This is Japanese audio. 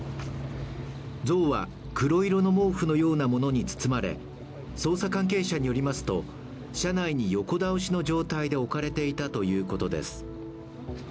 像は黒色の毛布のようなものに包まれ、捜査関係者によりますと車内に横倒しの状態で置かれていたということです。